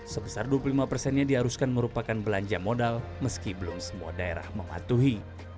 sebesar dua puluh lima persennya diharuskan merupakan belanja modal meski belum semua daerah mematuhi